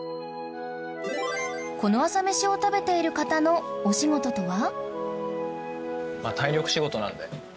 この朝メシを食べている方のお仕事とは？